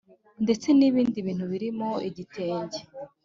Ndetse N Ibindi Bintu Birimo Igitenge